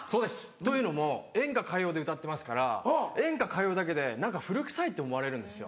というのも演歌歌謡で歌ってますから演歌歌謡だけで何か古くさいって思われるんですよ。